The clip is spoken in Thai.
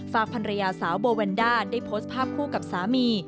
ภรรยาสาวโบแวนด้าได้โพสต์ภาพคู่กับสามี